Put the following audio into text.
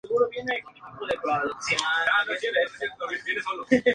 Ninguno de ellos está cubierto.